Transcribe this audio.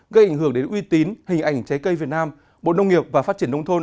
gây ảnh hưởng đến uy tín hình ảnh trái cây việt nam bộ nông nghiệp và phát triển nông thôn